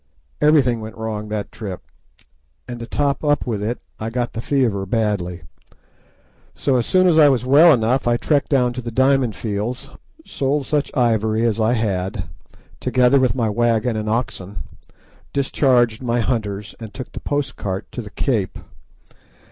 Everything went wrong that trip, and to top up with I got the fever badly. So soon as I was well enough I trekked down to the Diamond Fields, sold such ivory as I had, together with my wagon and oxen, discharged my hunters, and took the post cart to the Cape.